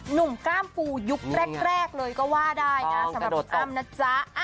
หนุ่มกล้ามปูยุคแรกเลยก็ว่าได้นะสำหรับคุณอ้ำนะจ๊ะ